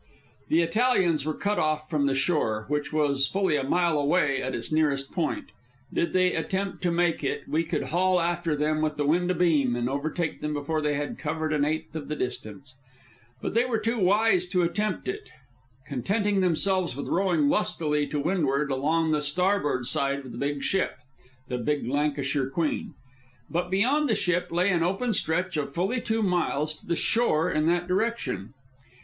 The Italians were cut off from the shore, which was fully a mile away at its nearest point. Did they attempt to make it, we could haul after them with the wind abeam, and overtake them before they had covered an eighth of the distance. But they were too wise to attempt it, contenting themselves with rowing lustily to windward along the starboard side of a big ship, the Lancashire Queen. But beyond the ship lay an open stretch of fully two miles to the shore in that direction.